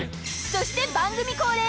［そして番組恒例